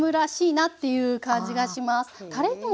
な